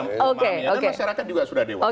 memahami oke oke dan masyarakat juga sudah dewasa